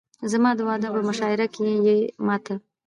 زما د واده په مشاعره کښې يې ما ته